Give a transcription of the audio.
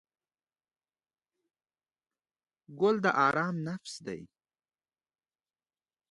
ګل د آرام نفس دی.